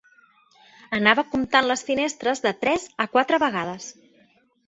Anava comptant les finestres de tres a quatre vegades